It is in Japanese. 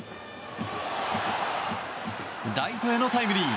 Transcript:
ライトへのタイムリー！